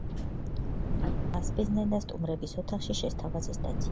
იქ მას კარგად გაუმასპინძლდნენ და სტუმრების ოთახში შესთავაზეს დაძინება.